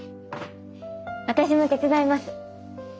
私も手伝います。